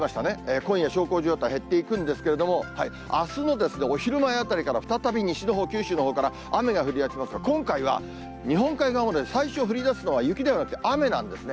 今夜、小康状態減っていくんですけれども、あすのお昼前あたりから、再び西のほう、九州のほうから、雨が降りだしますが、今回は日本海側も最初降りだすのは雪ではなくて雨なんですね。